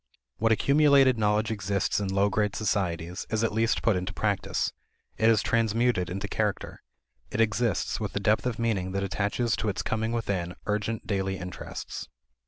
What accumulated knowledge exists in low grade societies is at least put into practice; it is transmuted into character; it exists with the depth of meaning that attaches to its coming within urgent daily interests.